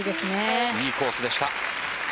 いいコースでした。